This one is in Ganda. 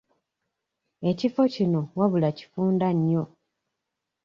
Ekifo kino wabula kifunda nnyo.